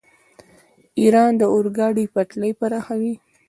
ایران د اورګاډي پټلۍ پراخوي.